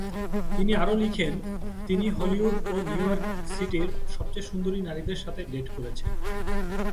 তিনি আরও লিখেন, "তিনি হলিউড ও নিউ ইয়র্ক সিটির সবচেয়ে সুন্দরী নারীদের সাথে ডেট করেছেন।"